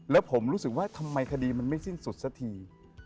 แล้วผมรู้สึกว่าทำไมคดีมันไม่สิ้นสุดสักที